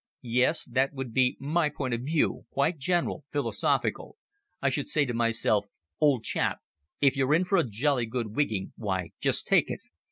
"Yes, that would be my point of view quite general, philosophical. I should say to myself, 'Old chap, if you're in for a jolly good wigging, why, just take it.